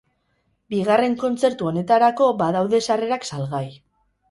Bigarren kontzertu honetarako badaude sarrerak salgai.